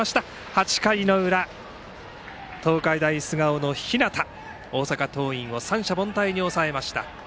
８回の裏、東海大菅生の日當大阪桐蔭を三者凡退に抑えました。